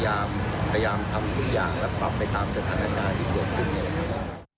ตอนนี้ก็พยายามทำทุกอย่างและปรับไปตามสถานการณ์ที่เกือบคุณเลยครับ